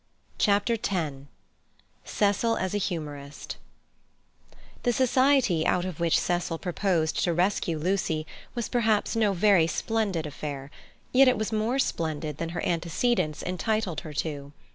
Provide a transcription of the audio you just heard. Chapter X Cecil as a Humourist The society out of which Cecil proposed to rescue Lucy was perhaps no very splendid affair, yet it was more splendid than her antecedents entitled her to.